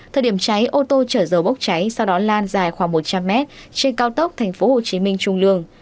thời điểm cháy ô tô chở dầu bốc cháy sau đó lan dài khoảng một trăm linh mét trên cao tốc tp hcm trung lương